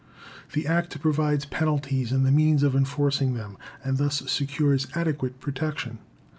The Act provides penalties and the means of enforcing them, and thus secures adequate protection.